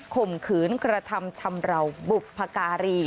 ข่มขืนกระทำชำราวบุพการี